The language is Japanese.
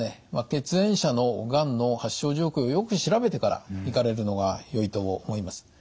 血縁者のがんの発症状況をよく調べてから行かれるのがよいと思います。